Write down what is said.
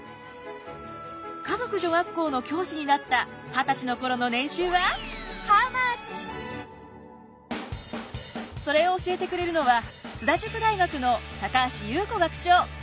華族女学校の教師になったそれを教えてくれるのは津田塾大学の橋裕子学長。